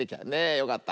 よかった。